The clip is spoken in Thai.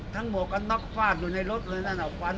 ทั้งหมวกกันน็อคฝาดสูงในรถอื่นอ่ะ